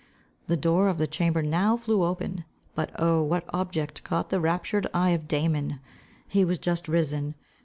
The door of the chamber now flew open. But oh, what object caught the raptured eye of Damon! He was just risen.